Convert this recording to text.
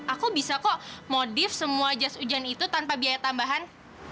aku bisa kok modif semua jas hujan itu tanpa biaya tambahan